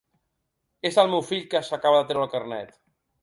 És el meu fill que s'acaba de treure el carnet.